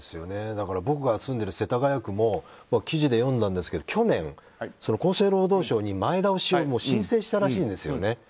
僕が住んでる世田谷区も記事で読んだんですけど去年、厚生労働省に前倒しを申請したらしいんですよね。